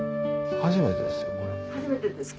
初めてですか？